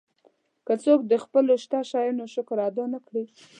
که څوک د خپلو شته شیانو شکر ادا نه کړي.